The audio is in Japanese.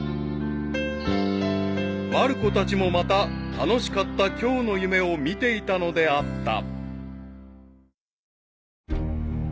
［まる子たちもまた楽しかった今日の夢を見ていたのであった］